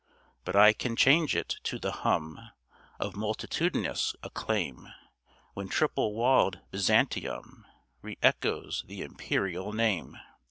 But I can change it to the hum Of multitudinous acclaim, When triple walled Byzantium, Re echoes the Imperial name.